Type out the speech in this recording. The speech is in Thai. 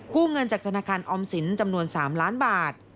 เงินจากธนาคารออมสินจำนวน๓ล้านบาท